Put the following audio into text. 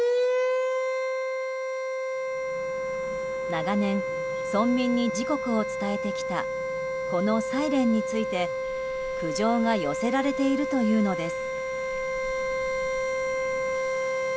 長年、村民に時刻を伝えてきたこのサイレンについて、苦情が寄せられているというのです。